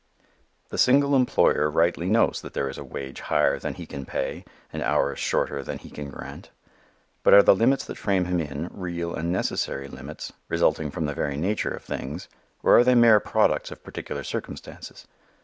The single employer rightly knows that there is a wage higher than he can pay and hours shorter than he can grant. But are the limits that frame him in, real and necessary limits, resulting from the very nature of things, or are they mere products of particular circumstances?